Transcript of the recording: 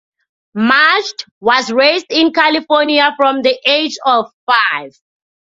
Macht was raised in California from the age of five.